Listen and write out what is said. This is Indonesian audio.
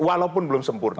walaupun belum sempurna